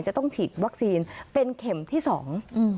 จะต้องฉีดวัคซีนเป็นเข็มที่สองอืม